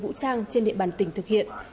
vũ trang trên địa bàn tỉnh thực hiện